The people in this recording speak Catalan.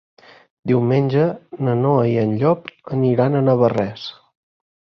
Diumenge na Noa i en Llop aniran a Navarrés.